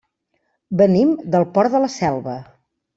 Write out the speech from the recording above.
Venim del Port de la Selva.